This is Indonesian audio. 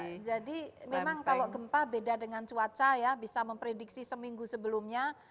ya jadi memang kalau gempa beda dengan cuaca ya bisa memprediksi seminggu sebelumnya